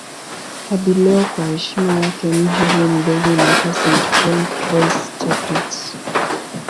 Hadi leo kwa heshima yake mji huo mdogo unaitwa St. Paul Trois-Chateaux.